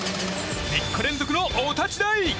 ３日連続のお立ち台。